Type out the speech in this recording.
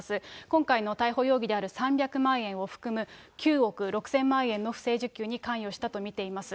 今回の逮捕容疑である３００万円を含む９億６０００万円の不正受給に関与したと見ています。